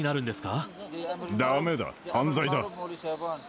だめだ、犯罪だ。